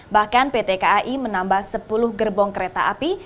bahkan pt kai menambah sepuluh gerbong kereta api